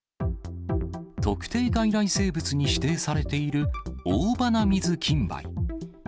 特定外来生物に指定されているオオバナミズキンバイ。